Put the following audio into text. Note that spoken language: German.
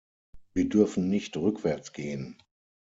Wir dürfen nicht rückwärts gehen.